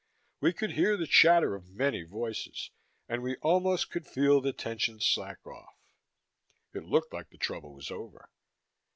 We could hear the chatter of many voices, and we almost could feel the tension slack off. It looked like the trouble was over.